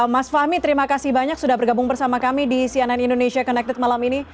mas fahmi terima kasih banyak sudah bergabung bersama kami di cnn indonesia connected malam ini